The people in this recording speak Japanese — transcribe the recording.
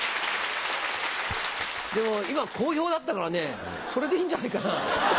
でも今好評だったからねそれでいいんじゃないかな？